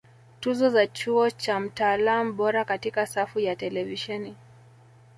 Tuzo za Chuo cha Mtaalam Bora Katika safu ya Televisheni